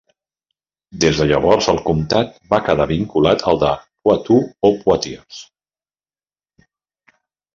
Des de llavors el comtat va quedar vinculat al de Poitou o Poitiers.